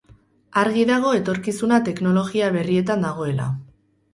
Argi dago etorkizuna teknologia berrietan dagoela.